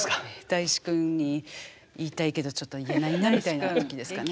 だいし君に言いたいけどちょっと言えないなみたいな時期ですかね。